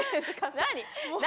何？